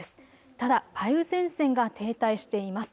ただ梅雨前線が停滞しています。